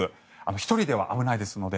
１人では危ないですので。